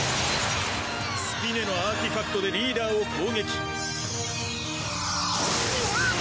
スピネのアーティファクトでリーダーを攻撃。